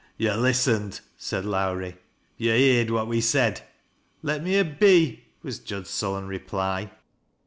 " To' listened," said Lowrie ;" yo' heerd what wb said." " Let me a be," was Jud's sullen reply.